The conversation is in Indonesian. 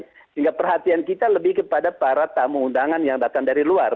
sehingga perhatian kita lebih kepada para tamu undangan yang datang dari luar